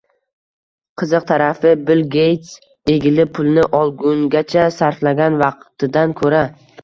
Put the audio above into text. Qiziq tarafi, Bill Geyts egilib, pulni olgungacha sarflagan vaqtidan ko‘ra